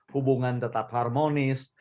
hubungan tetap harmonis